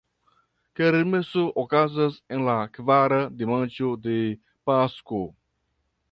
Kermeso okazas en la kvara dimanĉo de Pasko.